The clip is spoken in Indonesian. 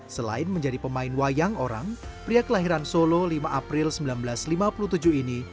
selain menjadi pemain wayang orang pria kelahiran solo lima april seribu sembilan ratus lima puluh tujuh ini